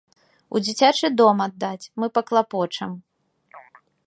У дзіцячы дом аддаць, мы паклапочам.